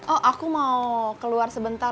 oh aku mau keluar sebentar